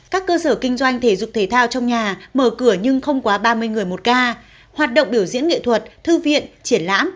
các cơ sở kinh doanh thể dục thể thao trong nhà mở cửa nhưng không quá ba mươi người một ca hoạt động biểu diễn nghệ thuật thư viện triển lãm